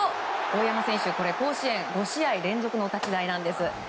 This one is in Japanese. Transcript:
大山選手、甲子園５試合連続のお立ち台なんです。